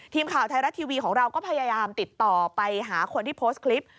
ทีมข่าวไทยรัฐทีวีของเราก็พยายามติดต่อไปหาคนที่โพสต์คลิป